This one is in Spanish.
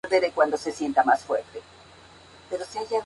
Con el álbum "Cold Lake" incluso fueron catalogados como "glam metal".